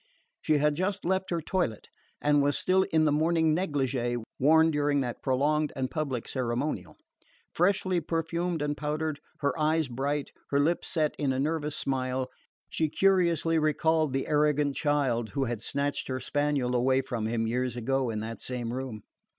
She had just left her toilet, and was still in the morning negligee worn during that prolonged and public ceremonial. Freshly perfumed and powdered, her eyes bright, her lips set in a nervous smile, she curiously recalled the arrogant child who had snatched her spaniel away from him years ago in that same room.